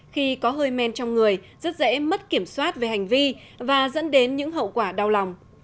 khi có hơi men trong người rất dễ mất kiểm soát về hành vi và dẫn đến những hậu quả đau lòng